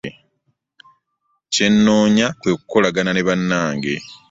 Kye nnoonya kwe kukolagana ne bannange.